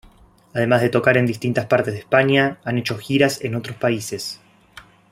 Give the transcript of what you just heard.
Además de tocar en distintas partes de España, han hecho giras en otros países.